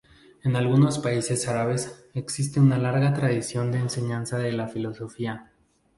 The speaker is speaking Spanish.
En algunos países árabes existe una larga tradición de enseñanza de la filosofía.